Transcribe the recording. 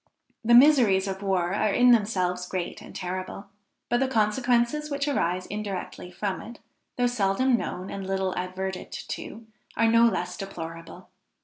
The miseries of war are in themselves great and terrible, but the consequences which arise indirectly from it, though seldom known and little adverted to, are no less deplorable.